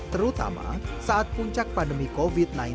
terutama saat puncak pandemi covid sembilan belas